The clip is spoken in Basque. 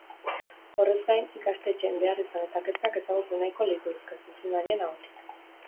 Horrez gain, ikastetxeen beharrizan eta kezkak ezagutu nahiko lituzke, zuzendarien ahotik.